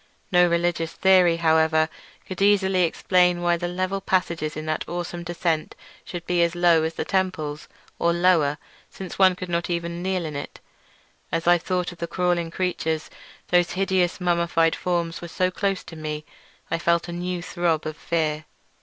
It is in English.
No religious theory, however, could easily explain why the level passage in that awesome descent should be as low as the temples—or lower, since one could not even kneel in it. As I thought of the crawling creatures, whose hideous mummified forms were so close to me, I felt a new throb of fear.